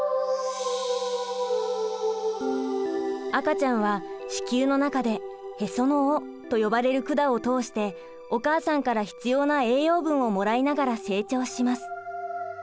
赤ちゃんは子宮の中でへその緒と呼ばれる管を通してお母さんから必要な栄養分をもらいながら成長します。